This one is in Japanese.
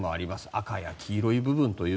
赤や黄色い部分。